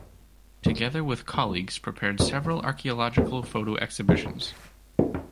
Together with colleagues prepared several archaeological photo exhibitions.